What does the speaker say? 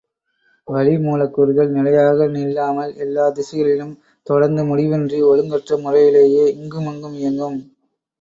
வளிமூலக்கூறுகள் நிலையாக நில்லாமல் எல்லாத் திசைகளிலும் தொடர்ந்து முடிவின்றி ஒழுங்கற்ற முறையிலேயே இங்குமங்குமாக இயங்கும்.